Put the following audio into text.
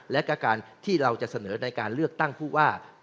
และการที่เราจะเสนอในการเลือกตั้งผู้ว่า